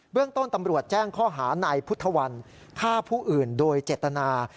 เรื่องต้นตำรวจแจ้งข้อหานายพุทธวันฆ่าผู้อื่นโดยเจตนา